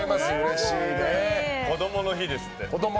こどもの日ですって。